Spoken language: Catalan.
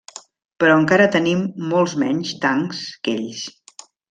Però encara tenim molts menys tancs que ells.